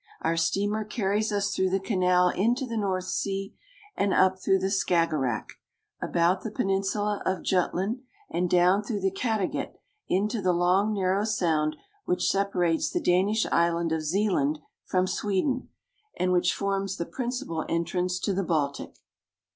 Our steamer car ries us out through the canal into the North Sea, and up through the Skagerrack, about the peninsula of Jutland, and down through the Cattegat into the long narrow sound which separates the Danish Island of Zealand from Sweden, and which forms the principal entrance to the Baltic.